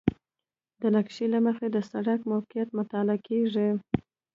د نقشې له مخې د سړک موقعیت مطالعه کیږي